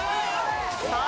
さあ